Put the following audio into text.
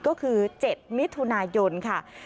ก็คือ๗มิถุนายนค่ะ